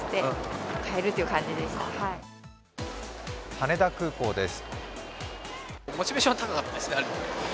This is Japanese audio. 羽田空港です。